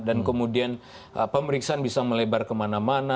dan kemudian pemeriksaan bisa melebar kemana mana